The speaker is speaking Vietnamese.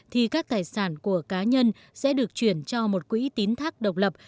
thì các tài sản của cá nhân sẽ được chuyển cho một quỹ tín thác độc lập